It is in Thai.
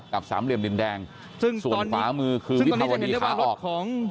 สามเหลี่ยมดินแดงส่วนขวามือคือวิภาวดีขาออกของ